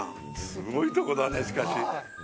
すごいところだね、しかし。